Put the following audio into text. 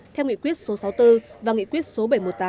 theo nghị quyết số sáu mươi bốn và nghị quyết số bảy trăm một mươi tám